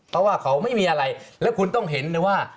เพราะว่าเขาไม่มีอะไรแล้วคุณต้องเห็นเลยว่า